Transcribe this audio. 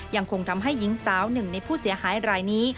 ยังคงทำให้หญิงสาวหนึ่งในผู้เสียหายรายนี้